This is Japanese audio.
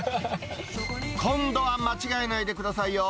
今度は間違えないでくださいよ。